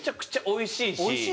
おいしいの？